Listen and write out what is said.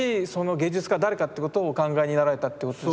芸術家誰かっていうことをお考えになられたっていうことですか？